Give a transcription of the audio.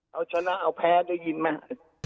เอาชนะเอาแพ้ก็ยินมา